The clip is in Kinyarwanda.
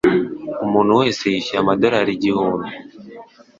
Umuntu wese yishyuye amadorari igihumbi.